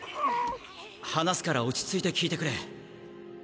話すから落ち着いて聞いてくれ。